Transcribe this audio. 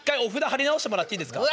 貼り直してもらっていいですか？